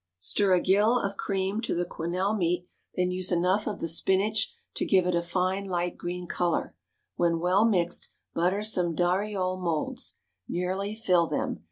Stir a gill of cream to the quenelle meat, then use enough of the spinach to give it a fine light green color. When well mixed, butter some dariole moulds; nearly fill them.